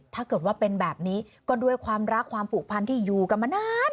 ถ้าเกิดว่าเป็นแบบนี้ก็ด้วยความรักความผูกพันที่อยู่กันมานาน